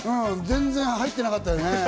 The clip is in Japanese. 全然入ってなかったね。